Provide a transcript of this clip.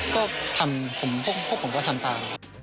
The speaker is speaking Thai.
ก็ทำผมพวกผมก็ทำตาม